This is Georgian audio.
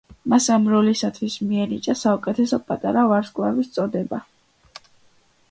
მას ამ როლისათვის მიენიჭა საუკეთესო პატარა ვარსკვლავის წოდება.